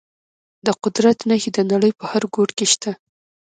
د قدرت نښې د نړۍ په هر ګوټ کې شته.